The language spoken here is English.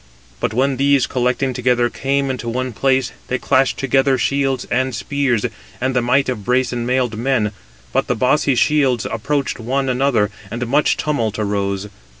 But when these collecting together came into one place, they clashed together shields and spears, and the might of brazen mailed men; but the bossy shields approached one another, and much tumult arose.